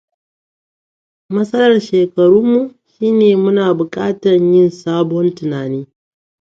Matsalar shekarunmu shine muna bukatar yin sabon tunani.